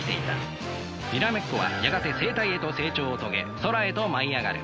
にらめっこはやがて成体へと成長を遂げ空へと舞い上がる。